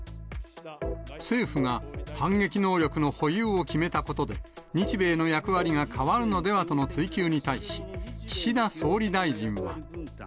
政府が反撃能力の保有を決めたことで、日米の役割が変わるのではとの追及に対し、岸田総理大臣は。